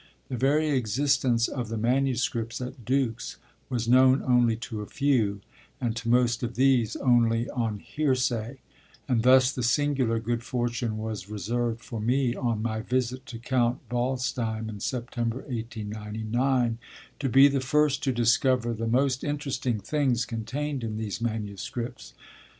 The very existence of the manuscripts at Dux was known only to a few, and to most of these only on hearsay; and thus the singular good fortune was reserved for me, on my visit to Count Waldstein in September 1899, to be the first to discover the most interesting things contained in these manuscripts.